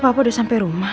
kalo papa udah sampe rumah